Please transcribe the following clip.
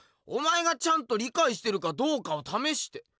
お前がちゃんとりかいしてるかどうかをためして。